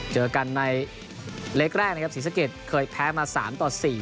เจอกันในเล็กแรกนะครับศรีสะเกดเคยแพ้มา๓ต่อ๔